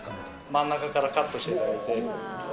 真ん中からカットしていただ